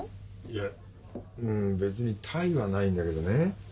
いやうん別に他意はないんだけどね。